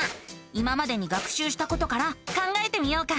今までに学しゅうしたことから考えてみようか。